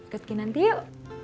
ketik nanti yuk